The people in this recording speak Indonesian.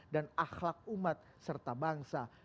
akhlak umat serta bangsa